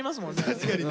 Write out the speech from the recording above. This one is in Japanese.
確かにね。